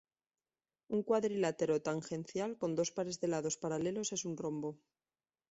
Un cuadrilátero tangencial con dos pares de lados paralelos es un rombo.